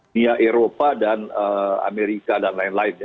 mia eropa dan amerika dan lain lain ya